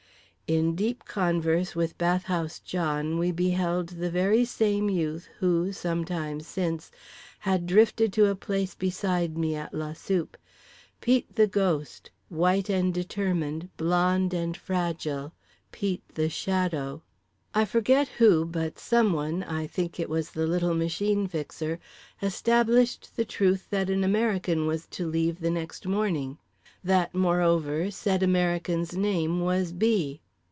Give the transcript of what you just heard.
In deep converse with Bathhouse John we beheld the very same youth who, some time since, had drifted to a place beside me at la soupe—Pete The Ghost, white and determined, blond and fragile: Pete the Shadow…. I forget who, but someone—I think it was the little Machine Fixer—established the truth that an American was to leave the next morning. That, moreover, said American's name was B.